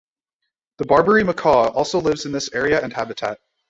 The Barbary macaque also lives in this area and habitat.